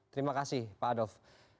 terima kasih pak adolf